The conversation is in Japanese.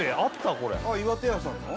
これ巖手屋さんの？